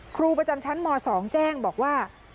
ครูประจำชั้นม๒แจ้งบอกว่า